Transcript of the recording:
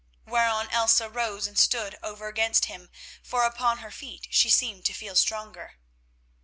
Whereon Elsa rose and stood over against him, for upon her feet she seemed to feel stronger.